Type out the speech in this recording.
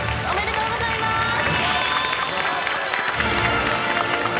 おめでとうございます！